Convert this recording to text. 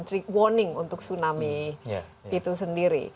seperti peringatan untuk tsunami itu sendiri